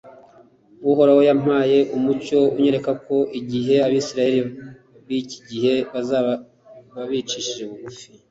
uhoraho yampaye umucyo anyereka ko igihe abisiraheli b'iki gihe bazaba bicishije bugufi